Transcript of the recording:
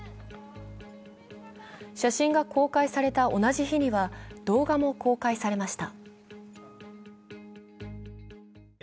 写真が公開された同じ日には動画も公開されました。